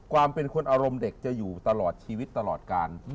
ความเป็นคนอารมณ์เด็กจะอยู่ตลอดชีวิตตลอดการ